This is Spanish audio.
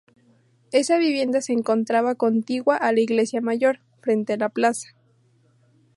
Esa vivienda se encontraba contigua a la Iglesia Mayor, frente a la plaza.